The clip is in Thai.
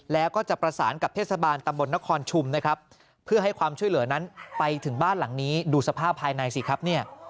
แล้วก็จะประสานกับเทศบาลตำบลนครชุมนะครับเพื่อให้ความช่วยเหลือนั้นไปถึงบ้านหลังนี้ดูสภาพภายในสิครับเนี่ย